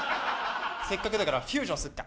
せっかくだからフュージョンすっか。